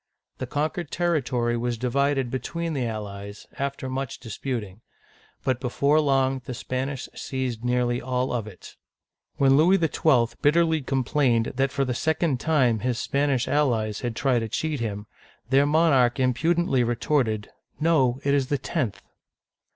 The con quered territory was divided between the allies, after much disputing; but before long the Spanish seized nearly all of it. When Louis XII. bitterly complained that for the uigitizea oy vjiOOQlC LOUIS XII. (1498 1515) 221 second time his Spanish allies had tried to cheat him, their monarch impudently retorted, " No, it is the tenth